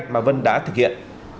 mà vân đã thực hiện